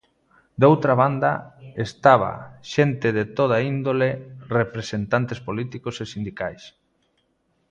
Doutra banda estaba xente de toda índole, representantes políticos e sindicais.